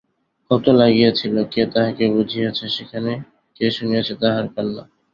কত লাগিয়াছিল, কে তাহাকে বুঝিয়াছে সেখানে, কে শুনিয়াছে তাহার কান্না?